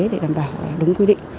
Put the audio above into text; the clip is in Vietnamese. để đảm bảo đúng quy định